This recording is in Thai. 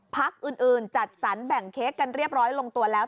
พักอื่นจัดสรรแบ่งเค้กกันเรียบร้อยลงตัวแล้ว